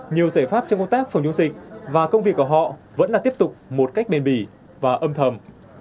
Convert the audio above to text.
nhiều giải pháp trong công tác phòng chống dịch và công việc của họ vẫn là tiếp tục một cách bền bỉ và âm thầm